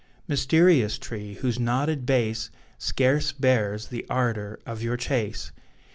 (Mysterious tree, whose knotted base Scarce bears the ardour of your chase!)